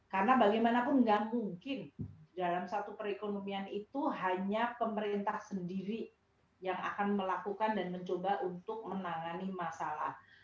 karena bagaimanapun tidak mungkin dalam satu perekonomian itu hanya pemerintah sendiri yang akan melakukan dan mencoba untuk menangani masalah